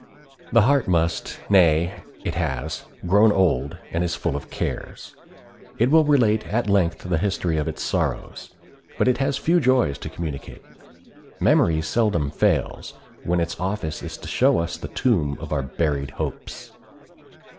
The heart must, nay, it has, grown old, and is full of cares. It will relate at length the history of its sorrows, but it has few joys to communicate. Memory seldom fails When its office is to show us the tomb of our buried hopes.